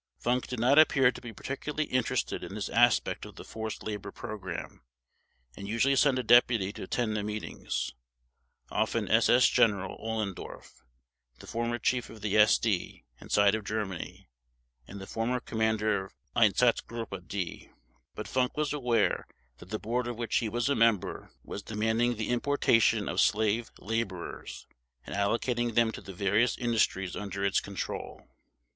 Funk did not appear to be particularly interested in this aspect of the forced labor program, and usually sent a deputy to attend the meetings, often SS General Ohlendorf, the former Chief of the SD inside of Germany and the former Commander of Einsatzgruppe D. But Funk was aware that the Board of which he was a member was demanding the importation of slave laborers, and allocating them to the various industries under its control.